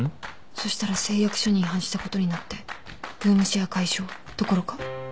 そしたら誓約書に違反したことになってルームシェア解消どころか。